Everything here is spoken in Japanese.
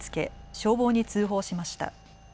消防に通報しました。